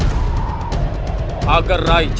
hai agar raich